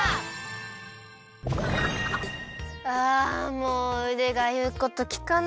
あもううでがいうこときかない！